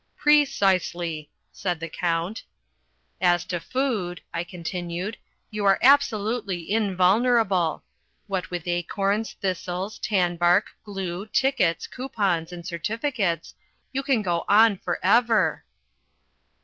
"Precisely," said the Count. "As to food," I continued, "you are absolutely invulnerable. What with acorns, thistles, tanbark, glue, tickets, coupons, and certificates, you can go on for ever."